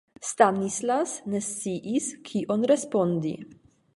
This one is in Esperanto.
Stanislas ne sciis, kion respondi.